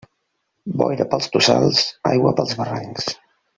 Boira pels tossals, aigua pels barrancs.